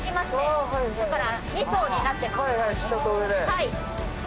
はい。